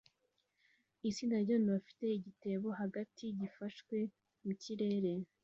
Itsinda ryabantu bafite igitebo hagati gifashwe mukirere